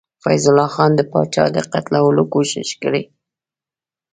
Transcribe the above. فیض الله خان د پاچا د قتلولو کوښښ کړی.